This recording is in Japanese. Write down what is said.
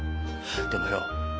でもよ